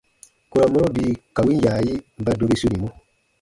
Kurɔ mɔro bii ka win yaayi ba dobi sunimɔ.